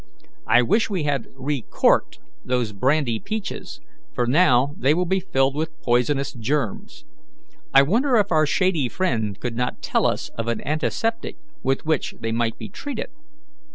I wish we had recorked those brandy peaches, for now they will be filled with poisonous germs. I wonder if our shady friend could not tell us of an antiseptic with which they might be treated?"